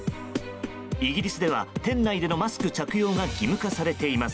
イギリスでは店内でのマスク着用が義務化されています。